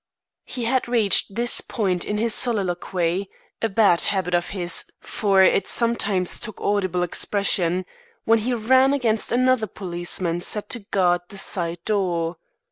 He had reached this point in his soliloquy (a bad habit of his, for it sometimes took audible expression) when he ran against another policeman set to guard the side door.